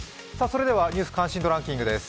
「ニュース関心度ランキング」です。